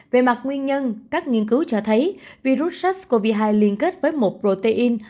về mặt nguyên nhân các nghiên cứu cho thấy virus sars cov hai liên kết với một protein